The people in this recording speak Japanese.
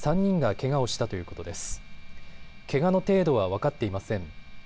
けがの程度は分かっていません。